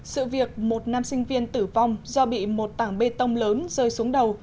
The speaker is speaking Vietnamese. sự việc một nam sinh viên tử vong do bị một tảng bê tông lớn rơi xuống đầu